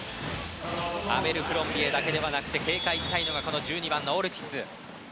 アベルクロンビエだけではなくて警戒したいのが１２番のオルティス。